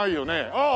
ああ。